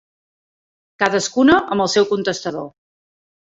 Cadascuna amb el seu contestador.